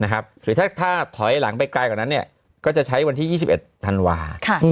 หรือถ้าถอยหลังไปไกลกว่านั้นก็จะใช้วันที่๒๑ธันวาคม